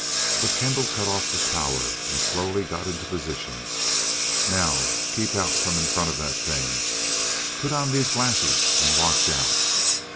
Buck Kendall cut off the power, and slowly got into position. "Now. Keep out from in front of that thing. Put on these glasses and watch out."